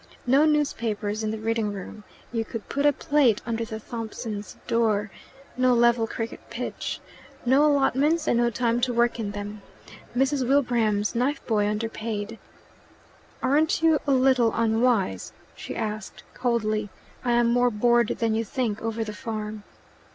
No newspapers in the reading room, you could put a plate under the Thompsons' door, no level cricket pitch, no allotments and no time to work in them, Mrs. Wilbraham's knife boy underpaid. "Aren't you a little unwise?" she asked coldly. "I am more bored than you think over the farm."